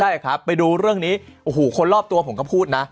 ใช่ครับไปดูเรื่องนี้โอ้โหคนรอบตัวผมก็พูดนะ